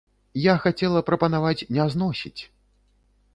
Я хацела прапанаваць не зносіць!